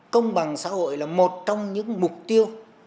công bằng xã hội là một trong những mục tiêu